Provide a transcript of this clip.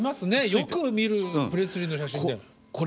よく見るプレスリーの写真で。